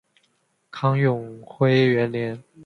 唐永徽元年。